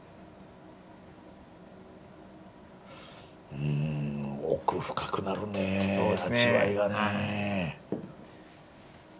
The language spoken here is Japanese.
うん奥深くなるね味わいがね。